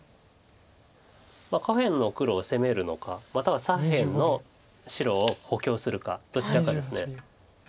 下辺の黒を攻めるのかまたは左辺の白を補強するかどちらかです。